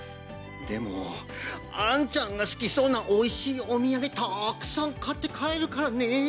「でもあんちゃんがすきそうなおいしいお土産たくさん買って帰るからね」